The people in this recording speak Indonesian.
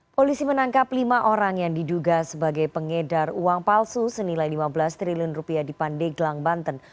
polisi menangkap lima orang yang diduga sebagai pengedar uang palsu senilai lima belas triliun rupiah di pandeglang banten